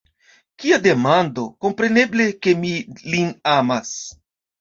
Kia demando! kompreneble, ke mi lin amas.